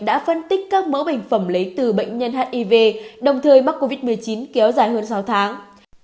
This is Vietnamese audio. đã phân tích các mẫu bệnh phẩm lấy từ bệnh nhân hiv đồng thời mắc covid một mươi chín kéo dài hơn sáu tháng